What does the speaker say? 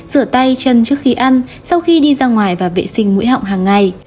rửa tay chân trước khi ăn sau khi đi ra ngoài và vệ sinh mũi họng hàng ngày